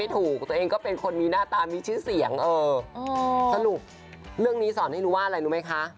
ถึงขั้นต้องหนีหมอน้ำหน่อย